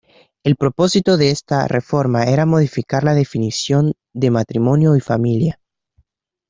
El propósito de esta reforma era modificar la definición de matrimonio y familia.